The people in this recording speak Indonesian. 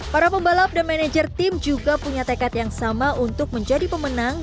para pembalap dan manajer tim juga punya tekad yang sama untuk menjadi pemenang